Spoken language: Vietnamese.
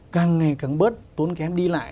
càng ngày càng bớt tốn kém đi lại